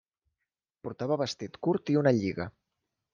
Portava vestit curt i una lliga.